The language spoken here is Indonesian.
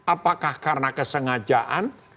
apakah karena kesengajaan